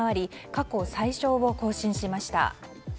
過去最少を更新しました。